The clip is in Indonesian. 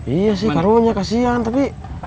iya sih karunya kasihan tapi